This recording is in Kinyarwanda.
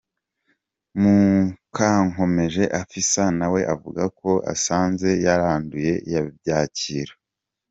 Mukankomeje Afissa nawe avuga ko asanze yaranduye yabyakira.